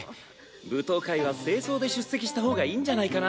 舞踏会は正装で出席した方がいいんじゃないかな？